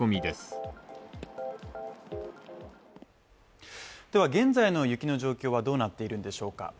では現在の雪の状況はどうなっているんでしょうか。